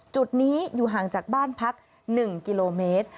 จุดนี้อยู่ห่างจากบ้านพัก๑กิโลเมตร